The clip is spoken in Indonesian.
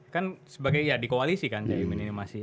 kan sebagai ya di koalisi kan caimin ini masih